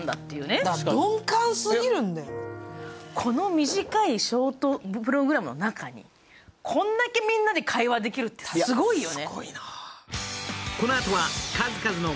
この短い「ショート・プログラム」の中にこんだけみんなで会話できるってすごいよね。